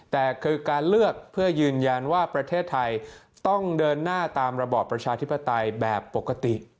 แต่คือการเลือกเพื่อยืนยันว่าประเทศไทยต้องเดินหน้าตามระบอบประชาธิปไตยแบบปกติ